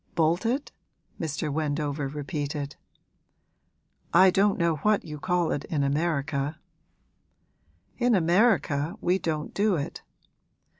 'Bolted?' Mr. Wendover repeated. 'I don't know what you call it in America.' 'In America we don't do it.'